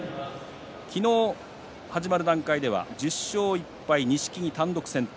昨日、始まる段階では１０勝１敗、錦木単独先頭。